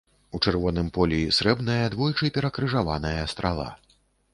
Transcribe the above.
У чырвоным полі срэбная, двойчы перакрыжаваная страла.